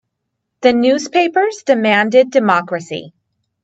The newspapers demanded democracy.